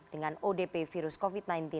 dengan odp virus covid sembilan belas